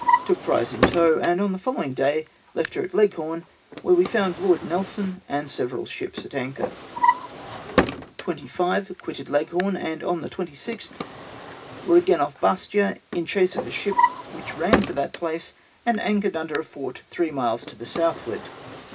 Took prize in tow, and on the follow ing day left her at Leghorn, where we found Lord Nelson, and several ships at anchor. "25. — Quitted Leghorn, and on the 26th were again off Bastia, in chase of a ship which ran for that place, and anchored under a fort three miles to the southward.